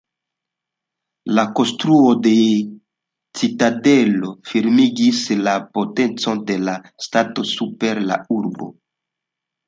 La konstruo de citadelo firmigis la potencon de la ŝtato super la urbo.